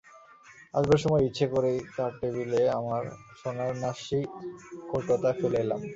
আসবার সময় ইচ্ছে করেই তার টেবিলে আমার সোনার নাস্যি-কৌটোটা ফেলে এলাম।